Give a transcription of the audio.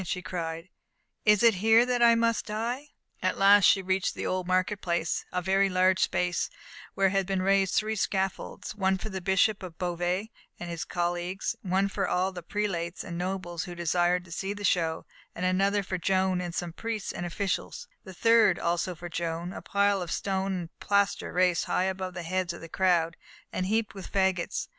she cried, "is it here that I must die?" At last she reached the Old Market Place, a very large space, where had been raised three scaffolds: one for the Bishop of Beauvais and his colleagues, and for all the prelates and nobles who desired to see the show; another for Joan and some priests and officials; the third, also for Joan a pile of stone and plaster, raised high above the heads of the crowd, and heaped with faggots.